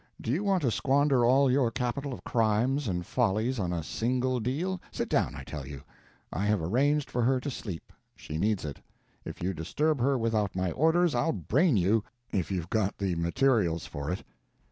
Do you want to squander all your capital of crimes and follies on a single deal? Sit down, I tell you. I have arranged for her to sleep; she needs it; if you disturb her without my orders, I'll brain you if you've got the materials for it."